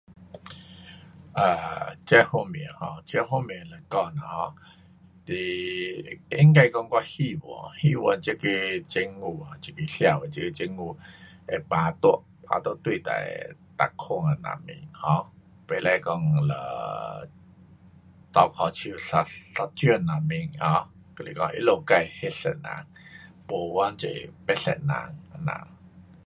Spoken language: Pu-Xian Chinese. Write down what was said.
啊，这方面 um，这方面是讲 um 是应该讲我希望，希望这个政府啊，这个社会，这个政府会公平，公平对待每款的人民 um 不可讲只啊倒脚手一，一种人民，就是讲他们自那色人，没帮助别色人。这样。